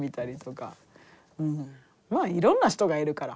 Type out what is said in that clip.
まあいろんな人がいるから。